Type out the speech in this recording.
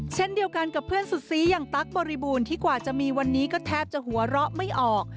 เช่นเดียวกันกับเพื่อนสุดซีอย่างตั๊กบริบูรณ์ที่กว่าจะมีวันนี้ก็แทบจะหัวเราะไม่ออก